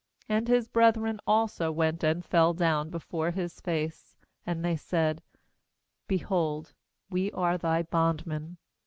18And his brethren also went and fell down before his face; and they said: 'Be hold, we are thy bondmen.'